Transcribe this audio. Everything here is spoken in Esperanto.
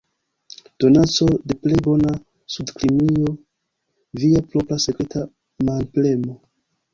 Donaco de plej bona Sudkimrio - via propra sekreta manpremo!